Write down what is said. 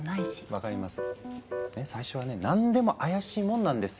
分かります。